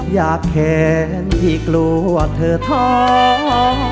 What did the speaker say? อยากแขนที่กลัวเธอท้อง